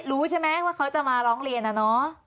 รู้ใช่ไหมว่าเขาจะมาร้องเรียนนะเนาะ